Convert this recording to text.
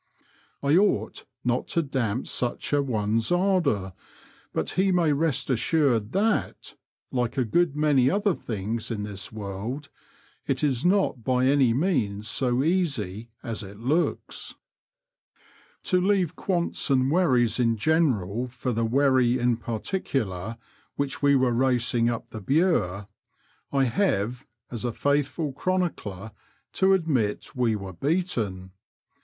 I ought not to damp such an one's ardour, but he may rest assured that, like a good many other things in this world, it is not by any means so easy as it looks. To leave quants and wherries in general for the wherry in particular which we were racing up the Bure, I have, as a faithful chronicler, to admit we were beaten.